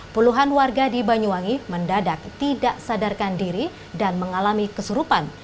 puluhan warga di banyuwangi mendadak tidak sadarkan diri dan mengalami kesurupan